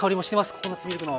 ココナツミルクの。